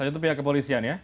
itu pihak kepolisian ya